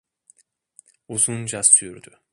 Uzunca sürdü.